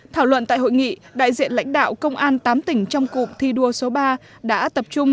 thảo luận tại hội nghị đại diện lãnh đạo công an tám tỉnh trong cụm thi đua số ba đã tập trung